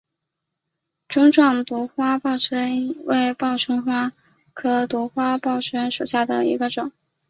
钟状独花报春为报春花科独花报春属下的一个种。